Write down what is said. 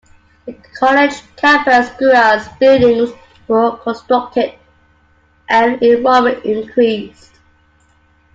The college campus grew as buildings were constructed and enrollment increased.